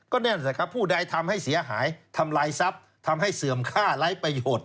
นั่นแหละครับผู้ใดทำให้เสียหายทำลายทรัพย์ทำให้เสื่อมค่าไร้ประโยชน์